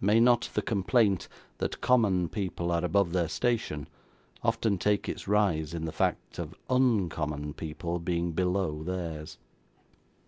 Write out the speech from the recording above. May not the complaint, that common people are above their station, often take its rise in the fact of UNcommon people being below theirs?